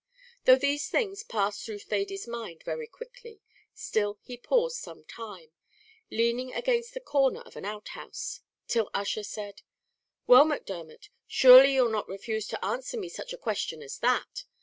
Though these things passed through Thady's mind very quickly, still he paused some time, leaning against the corner of an outhouse, till Ussher said, "Well, Macdermot, surely you 'll not refuse to answer me such a question as that.